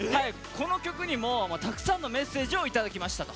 この曲にもたくさんのメッセージをいただきましたと。